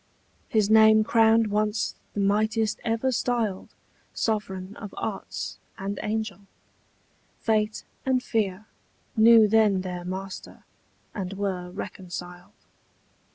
His name crowned once the mightiest ever styled Sovereign of arts, and angel: fate and fear Knew then their master, and were reconciled.